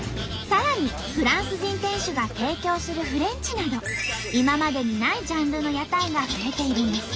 さらにフランス人店主が提供するフレンチなど今までにないジャンルの屋台が増えているんです。